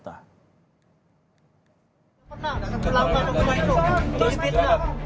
tidak pernah pelaku pembunuhan itu